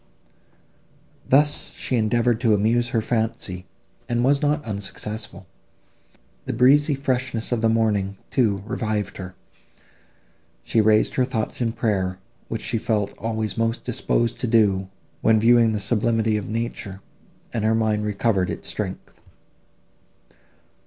Thus she endeavoured to amuse her fancy, and was not unsuccessful. The breezy freshness of the morning, too, revived her. She raised her thoughts in prayer, which she felt always most disposed to do, when viewing the sublimity of nature, and her mind recovered its strength.